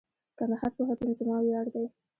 کندهار پوهنتون زما ویاړ دئ.